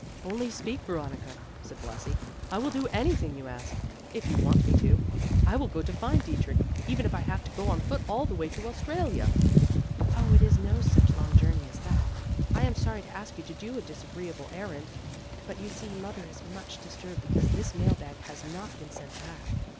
"Only speak, Veronica," said Blasi, "I will do anything you ask. If you want me to, I will go to find Dietrich, even if I have to go on foot all the way to Australia." "Oh, it is no such long journey as that. I am sorry to ask you to do a disagreeable errand, but you see Mother is much disturbed because this mail bag has not been sent back.